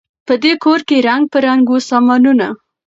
په دې کورکي رنګ په رنګ وه سامانونه